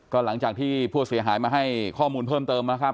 ก็หลังจากที่ผู้เสียหายมาให้ข้อมูลเพิ่มเติมนะครับ